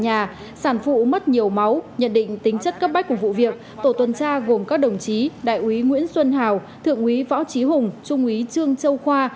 nhà sản phụ mất nhiều máu nhận định tính chất cấp bách của vụ việc tổ tuần tra gồm các đồng chí đại úy nguyễn xuân hào thượng úy võ trí hùng trung úy trương châu khoa